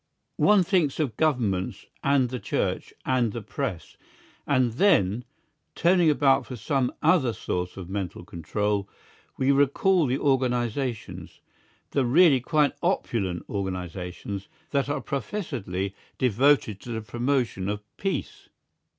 One thinks of Governments and the Church and the Press, and then, turning about for some other source of mental control, we recall the organisations, the really quite opulent organisations, that are professedly devoted to the promotion of peace.